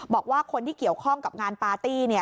บอกว่าคนที่เกี่ยวข้องกับงานปาร์ตี้เนี่ย